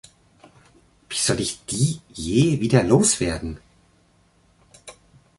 Wie soll ich die je wieder loswerden?